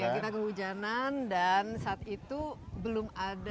pembicara dua puluh satu iya kita ke hujanan dan saat itu belum ada